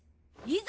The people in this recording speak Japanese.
いざ！